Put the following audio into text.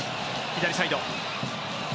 左サイド。